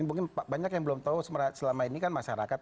mungkin banyak yang belum tahu selama ini kan masyarakat